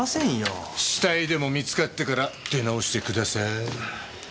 死体でも見つかってから出直してください。